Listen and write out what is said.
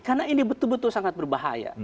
karena ini betul betul sangat berbahaya